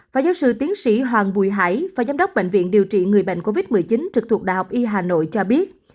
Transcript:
phó giáo sư tiến sĩ hoàng bùi hải phó giám đốc bệnh viện điều trị người bệnh covid một mươi chín trực thuộc đại học y hà nội cho biết